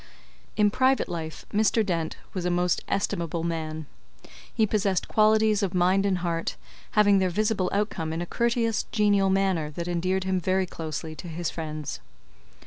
In private life, Mr. Dent was a most estimable man. He possessed qualities of mind and heart, having their visible outcome in a courteous, genial manner that endeared him very closely to his friends.